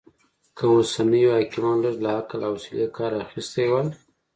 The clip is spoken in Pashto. که اوسنيو حاکمانو لږ له عقل او حوصلې کار اخيستی وای